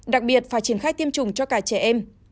đặc biệt phải triển khai tiêm chủng cho cả trẻ em